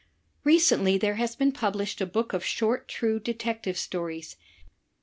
Recently there has been published a book of short true Detective Stories.